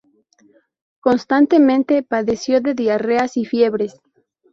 Constantemente padeció de diarreas y fiebres.